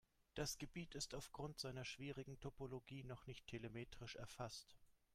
Das Gebiet ist aufgrund seiner schwierigen Topologie noch nicht telemetrisch erfasst.